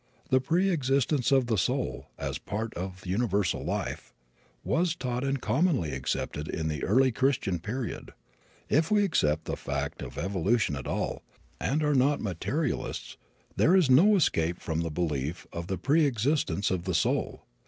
The pre existence of the soul, as a part of universal life, was taught and commonly accepted in the early Christian period. If we accept the fact of evolution at all, and are not materialists, there is no escape from the belief of the pre existence of the soul.